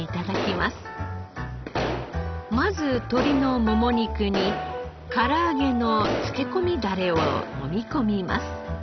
まず鶏のもも肉に唐揚げの漬け込みダレをもみ込みます。